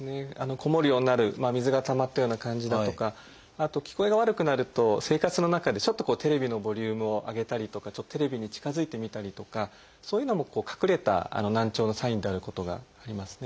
こもるようになる水がたまったような感じだとかあと聞こえが悪くなると生活の中でちょっとテレビのボリュームを上げたりとかちょっとテレビに近づいて見たりとかそういうのも隠れた難聴のサインであることがありますね。